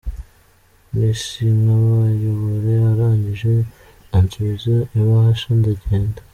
Nti sinkabayobore, arangije ansubiza ibahasha ndagenda.